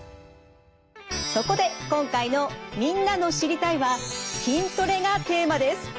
そこで今回のみんなの「知りたい！」は「筋トレ」がテーマです。